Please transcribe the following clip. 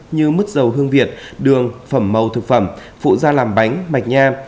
như mứt dầu hương việt đường phẩm màu thực phẩm phụ gia làm bánh mạch nha